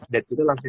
dan kita langsung